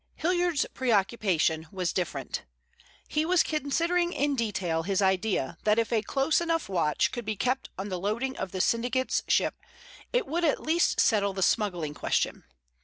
Hilliard's preoccupation was different. He was considering in detail his idea that if a close enough watch could be kept on the loading of the syndicate's ship it would at least settle the smuggling question.